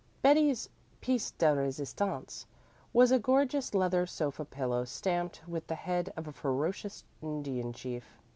Betty's piêce de resistance was a gorgeous leather sofa pillow stamped with the head of a ferocious Indian chief.